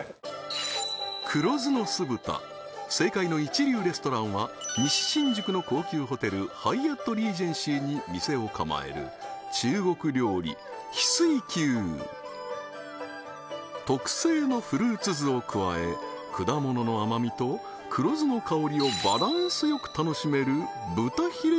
黒酢の酢豚正解の一流レストランは西新宿の高級ホテルハイアットリージェンシーに店を構える特製のフルーツ酢を加え果実の甘みと黒酢の香りをバランスよく楽しめる豚ヒレ